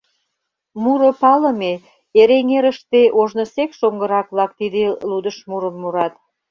Муро палыме, Эреҥерыште ожнысек шоҥгырак-влак тиде лудыш мурым мурат.